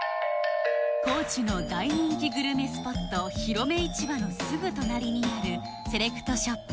高知の大人気グルメスポットひろめ市場のすぐ隣にあるセレクトショップ